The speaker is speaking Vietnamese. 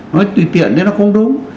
nói tùy tiện thì nó không đúng